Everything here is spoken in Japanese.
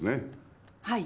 はい。